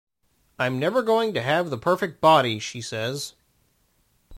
"I'm never going to have the perfect body", she says.